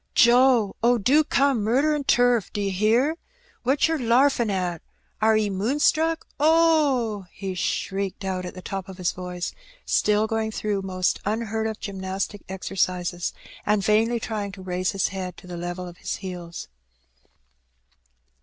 " Joe ! Oh, do come ! Murder and turf ! D'ye hear ? What's yer larfin at? Are 'e moon struck? Oh — ^h —!'' he shrieked out at the top of his voice, still going through most unheard of gymnastic exercises, and vainly trying to raise his head to the level of his heels.